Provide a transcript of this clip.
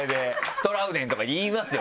「トラウデン！」とか言いますよ。